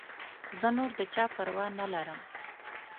زه نور د چا پروا نه لرم.